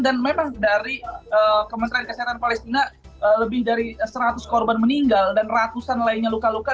dan memang dari kementerian kesehatan palestina lebih dari seratus korban meninggal dan ratusan lainnya luka luka